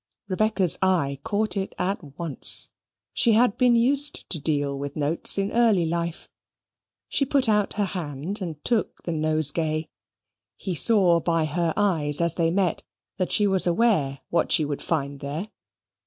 Rebecca's eye caught it at once. She had been used to deal with notes in early life. She put out her hand and took the nosegay. He saw by her eyes as they met, that she was aware what she should find there.